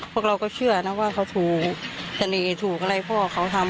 พวกเราก็เชื่อนะว่าเขาถูกเสน่ห์ถูกอะไรพ่อเขาทำ